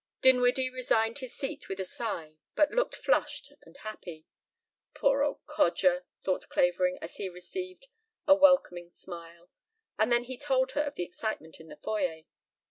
Dinwiddie resigned his seat with a sigh but looked flushed and happy. "Poor old codger," thought Clavering as he received a welcoming smile, and then he told her of the excitement in the foyer.